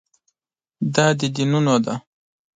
دا د دینونو ده.